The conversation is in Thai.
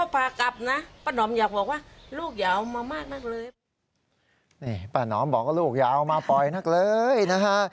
นี่ป้านอมบอกว่าลูกอย่าเอามาปล่อยนักเลยนะฮะ